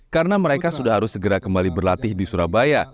karena mereka sudah harus segera kembali berlatih di surabaya